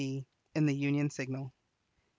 D., in the Union Signal_.